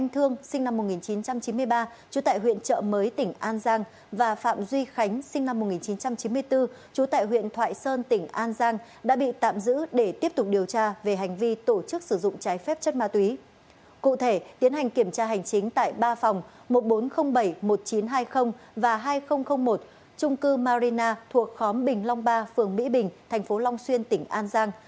trung cư marina thuộc khóm bình long ba phường mỹ bình thành phố long xuyên tỉnh an giang